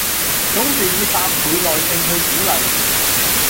總是以百倍耐性去鼓勵